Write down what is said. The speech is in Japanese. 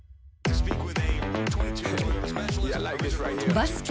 バスケ